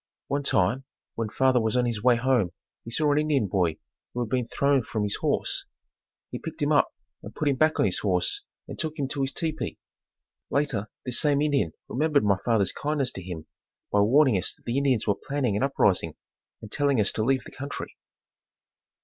One time when father was on his way home he saw an Indian boy who had been thrown from his horse. He picked him up and put him back on his horse and took him to his tepee. Later this same Indian remembered my father's kindness to him by warning us that the Indians were planning an uprising and telling us to leave the country.